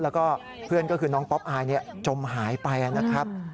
แล้วก็เพื่อนก็คือน้องป๊อปอายจมหายไปนะครับ